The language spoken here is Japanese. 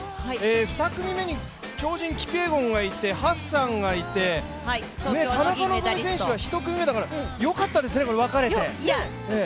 ２組目に超人・キピエゴンがいて、ハッサンがいて田中希実選手は１組目ですからよかったですね、分かれて。